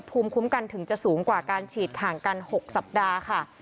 ภูมิคุ้มกันถึงจะสูงกว่าการฉีดห่างกัน๖สัปดาห์ค่ะ